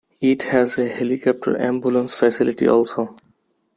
It has a helicopter ambulance facility also.